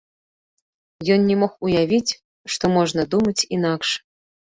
Ён не мог уявіць, што можна думаць інакш.